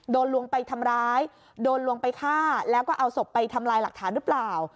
ลวงไปทำร้ายโดนลวงไปฆ่าแล้วก็เอาศพไปทำลายหลักฐานหรือเปล่า